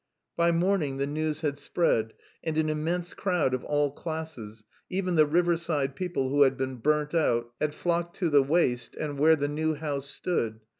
By morning the news had spread and an immense crowd of all classes, even the riverside people who had been burnt out had flocked to the waste land where the new house stood.